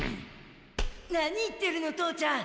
何言ってるの父ちゃん。